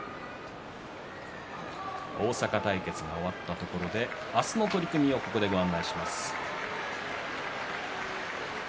大阪対決が終わったところで明日の取組をご案内します。